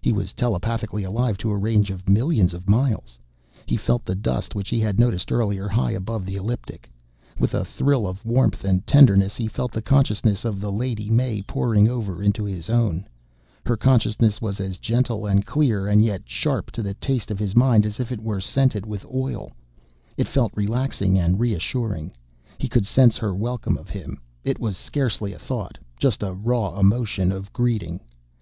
He was telepathically alive to a range of millions of miles. He felt the dust which he had noticed earlier high above the ecliptic. With a thrill of warmth and tenderness, he felt the consciousness of the Lady May pouring over into his own. Her consciousness was as gentle and clear and yet sharp to the taste of his mind as if it were scented oil. It felt relaxing and reassuring. He could sense her welcome of him. It was scarcely a thought, just a raw emotion of greeting.